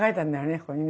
ここにね。